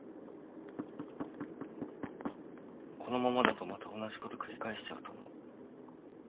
このままだとまた同じこと繰り返しちゃうと思う。